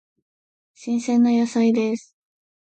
新鮮な野菜です。